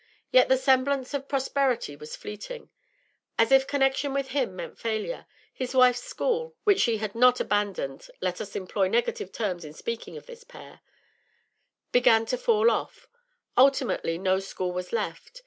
Yet the semblance of prosperity was fleeting. As if connection with him meant failure, his wife's school, which she had not abandoned (let us employ negative terms in speaking of this pair), began to fall off; ultimately no school was left.